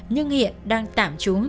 nhưng hiện đang tạm trúng